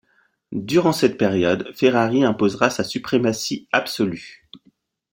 Durant cette période, Ferrari imposera sa suprématie absolue.